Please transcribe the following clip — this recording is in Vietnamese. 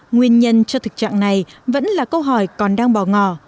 nguyên nhân cho thực trạng này vẫn là câu hỏi còn đang bò ngò